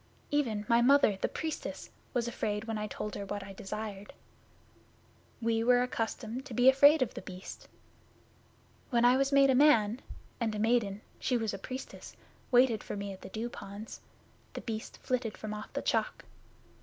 Even, my Mother, the Priestess, was afraid when I told her what I desired. We were accustomed to be afraid of The Beast. When I was made a man, and a maiden she was a Priestess waited for me at the Dew ponds, The Beast flitted from off the Chalk.